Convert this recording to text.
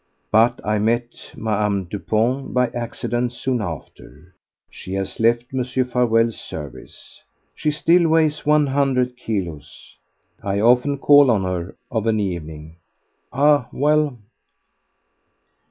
But I met Ma'ame Dupont by accident soon after. She has left Mr. Farewell's service. She still weighs one hundred kilos. I often call on her of an evening. Ah, well!